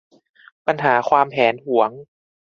ปัญหาความแหนหวง